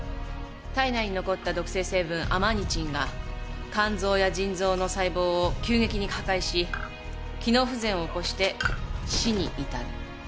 体内に残った毒性成分アマニチンが肝臓や腎臓の細胞を急激に破壊し機能不全を起こして死に至る。